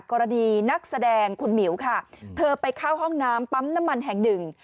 กรณีนักแสดงคุณหมิวค่ะเธอไปเข้าห้องน้ำปั๊มน้ำมันแห่งหนึ่ง